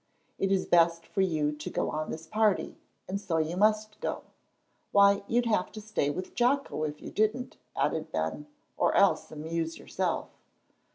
"It is best for you to go on this party, and so you must go. Why, you'd have to stay with Jocko if you didn't," added Ben, "or else amuse yourself."